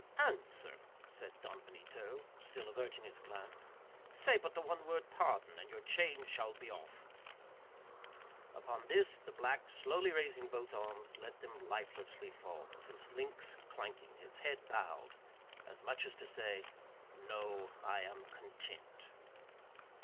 "Answer," said Don Benito, still averting his glance, "say but the one word, pardon, and your chains shall be off." Upon this, the black, slowly raising both arms, let them lifelessly fall, his links clanking, his head bowed; as much as to say, "no, I am content."